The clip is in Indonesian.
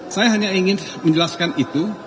saya hanya ingin menjelaskan itu